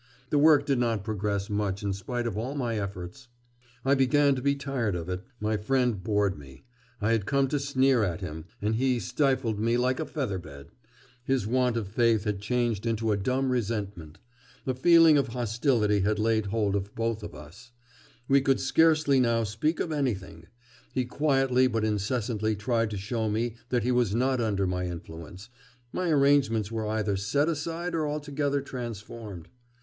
The work did not progress much in spite of all my efforts. I began to be tired of it, my friend bored me; I had come to sneer at him, and he stifled me like a featherbed; his want of faith had changed into a dumb resentment; a feeling of hostility had laid hold of both of us; we could scarcely now speak of anything; he quietly but incessantly tried to show me that he was not under my influence; my arrangements were either set aside or altogether transformed.